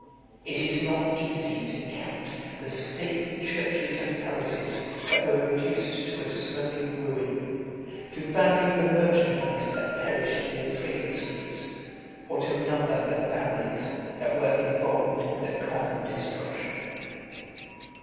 It is not easy to count the stately churches and palaces that were reduced to a smoking ruin, to value the merchandise that perished in the trading streets, or to number the families that were involved in the common destruction.